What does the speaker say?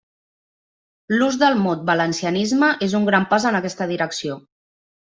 L'ús del mot valencianisme és un gran pas en aquesta direcció.